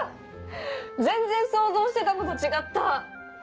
全然想像してたのと違った！